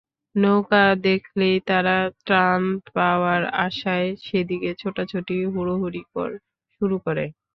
নৌকা দেখলেই তারা ত্রাণ পাওয়ার আশায় সেদিকে ছোটাছুটি, হুড়োহুড়ি শুরু করে।